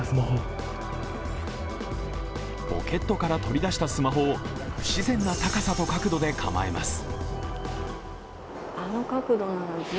ポケットから取り出したスマホを不自然な高さと角度で構えます。